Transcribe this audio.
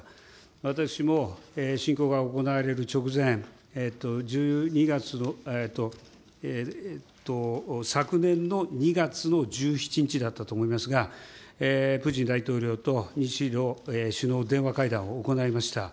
私も侵攻が行われる直前、１２月の、えっと、昨年の２月の１７日だったと思いますが、プーチン大統領と日ロ首脳電話会談を行いました。